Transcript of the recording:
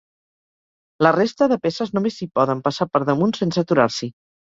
La resta de peces només hi poden passar per damunt sense aturar-s'hi.